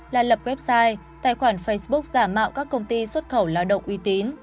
là lập website tài khoản facebook giả mạo các công ty xuất khẩu lao động uy tín